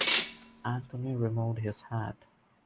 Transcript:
Anthony removed his hat.